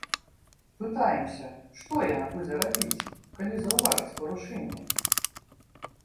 Пытаемся, што яна будзе рабіць, калі заўважыць парушэнні?